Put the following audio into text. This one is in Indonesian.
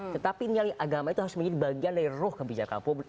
tetapi nilai agama itu harus menjadi bagian dari ruh kebijakan publik